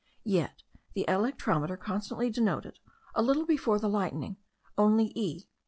Yet the electrometer constantly denoted, a little before the lightning, only E.